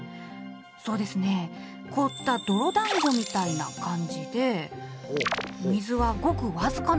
そうですね凍った泥だんごみたいな感じで水はごく僅かなんですって。